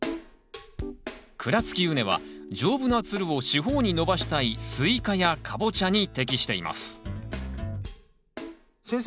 鞍つき畝は丈夫なつるを四方に伸ばしたいスイカやカボチャに適しています先生